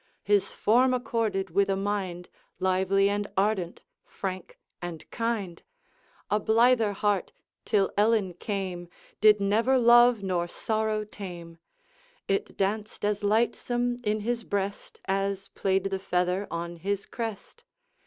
His form accorded with a mind Lively and ardent, frank and kind; A blither heart, till Ellen came Did never love nor sorrow tame; It danced as lightsome in his breast As played the feather on his crest.